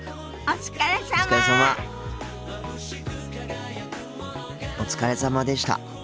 お疲れさまでした。